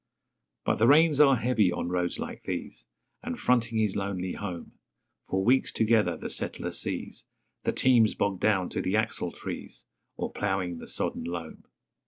But the rains are heavy on roads like these; And, fronting his lonely home, For weeks together the settler sees The teams bogged down to the axletrees, Or ploughing the sodden loam.